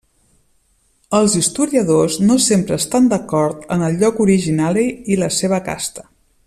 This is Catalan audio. Els historiadors no sempre estan d'acord en el lloc originari i la seva casta.